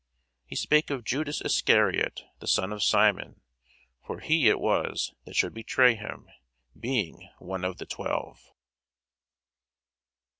He spake of Judas Iscariot the son of Simon: for he it was that should betray him, being one of the twelve.